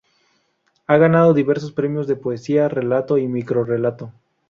Ha ganado diversos premios de poesía, relato y microrrelato.